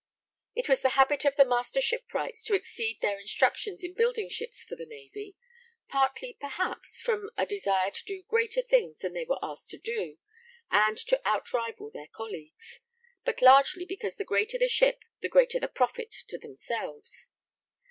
It was the habit of the Master Shipwrights to exceed their instructions in building ships for the Navy; partly, perhaps, from a desire to do greater things than they were asked to do, and to outrival their colleagues, but largely because the greater the ship the greater the profit to themselves.